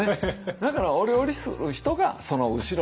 だからお料理する人がその後ろには。